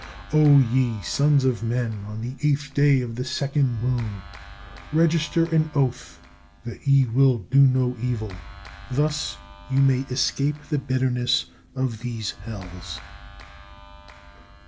O ye sons of men, on the 8th day of the 2nd moon, register an oath that ye will do no evil. Thus you may escape the bitterness of these hells.